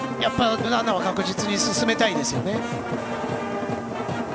ランナーは確実に進めたいですよね。